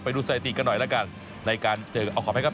ดูสถิติกันหน่อยแล้วกันในการเจอเอาขออภัยครับ